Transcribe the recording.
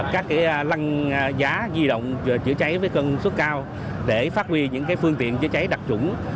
các lăng giá di động chữa cháy với cân suất cao để phát huy những phương tiện chữa cháy đặc trủng